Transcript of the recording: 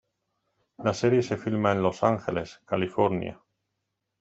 La serie se filma en Los Angeles, California.